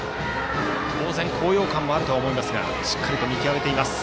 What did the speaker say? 当然、高揚感もあると思いますがしっかりと見極めています。